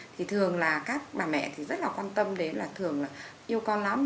thì thường là các bà mẹ thì rất là quan tâm đến là thường là yêu con lắm